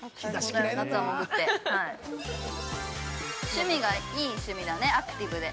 趣味がいい趣味だね、アクティブで。